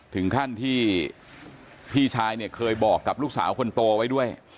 ถึงขั้นที่พี่ชายเนี่ยเคยบอกกับลูกสาวคนโตไว้ด้วย